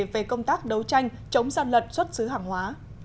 về công tác đấu tranh chống gian lận xuất xứ hàng hóa